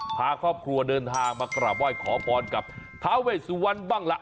พาครอบครัวเดินทางมากราบไหว้ขอพรกับทาเวสุวรรณบ้างล่ะ